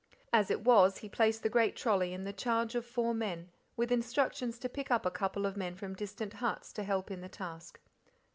As it was, he placed the great trolly in the charge of four men, with instructions to pick up a couple of men from distant huts to help in the task.